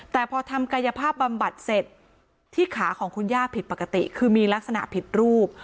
แต่พอทำกายภาพบำบัดเสร็จที่ขาของคุณย่าผิดปกติคือมีลักษณะผิดรูป